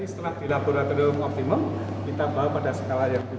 jadi setelah di laboratorium optimum kita bawa pada skala yang besar